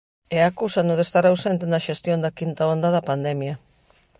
E acúsano de estar ausente na xestión da quinta onda da pandemia.